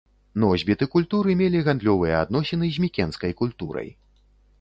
Носьбіты культуры мелі гандлёвыя адносіны з мікенскай культурай.